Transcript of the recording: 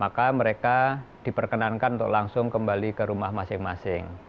maka mereka diperkenankan untuk langsung kembali ke rumah masing masing